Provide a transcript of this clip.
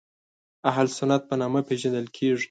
اهل سنت په نامه پېژندل کېږي.